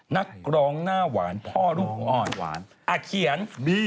นักร้องหน้าหวานพ่อลูกอ่อนหวานอาเขียน